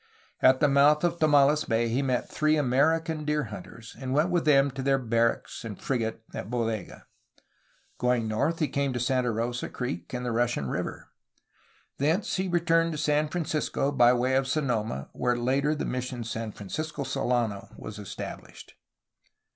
At the mouth of Tomales Bay he met three American deer hunters, and went with them to their barracks and fri gate at Bodega. Going northwest he came to Santa Rosa Creek and the Russian River. Thence he returned to San Francisco by way of Sonoma, where later the mission San Francisco Solano was estabhshed.